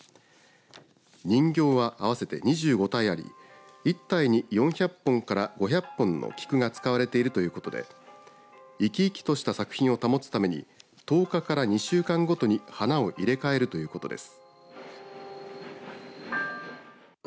人形は合わせて２５体あり一体に４００本から５００本の菊が使われているということで生き生きと作品を保つために１０日から２週間ごとに花を入れ替えるということです。